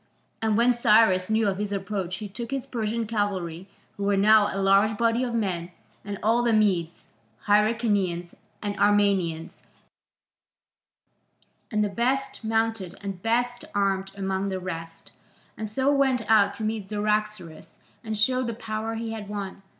And when Cyrus knew of his approach he took his Persian cavalry, who were now a large body of men, and all the Medes, Hyrcanians, and Armenians, and the best mounted and best armed among the rest, and so went out to meet Cyaxares and show the power he had won.